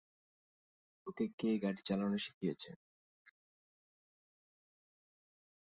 তোকে কে গাড়ি চালানো শিখিয়েছে?